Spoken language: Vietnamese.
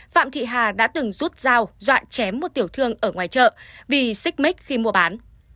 phạm thị hà đã từng rút dao dọa chém một tiểu thương ở ngoài chợ vì xích mích khi mua bán